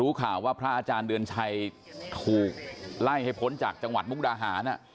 ข่าวว่าพระอาจารย์เดือนชัยถูกไล่ให้พ้นจากจังหวัดมุกดาหาร